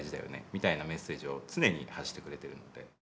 みたいなメッセージを常に発してくれてるので。